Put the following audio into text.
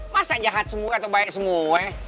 masa jahat semua atau baik semua